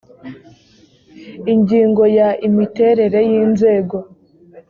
ingingo ya imiterere y inzego